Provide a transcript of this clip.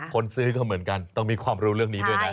คนซื้อก็เหมือนกันต้องมีความรู้เรื่องนี้ด้วยนะ